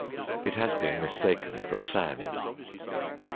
It has been mistaken for sand.